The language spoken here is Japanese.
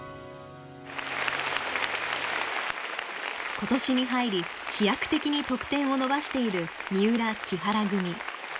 今年に入り飛躍的に得点を伸ばしている三浦木原組。